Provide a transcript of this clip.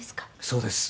そうです。